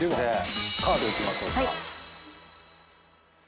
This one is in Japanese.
カードいきましょうか。